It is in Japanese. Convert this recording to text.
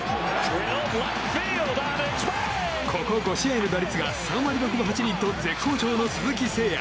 ここ５試合の打率が３割６分８厘と絶好調の鈴木誠也。